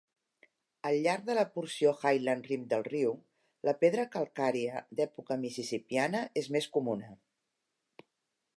Al llarg de la porció Highland Rim del riu, la pedra calcària d'època mississipiana és més comuna.